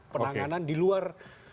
penanganan di luar